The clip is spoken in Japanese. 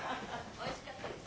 おいしかったです。